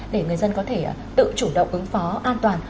để người dân có thể tự chủ động ứng phó an toàn